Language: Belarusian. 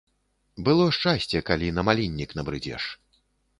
Было шчасце, калі на маліннік набрыдзеш.